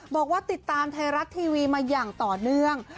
บอกว่าติดตามไทยรัฐทีวีมาอย่างต่อเนื่อง